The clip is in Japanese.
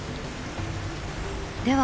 では